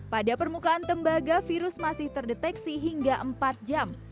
pada permukaan tembaga virus masih terdeteksi hingga empat jam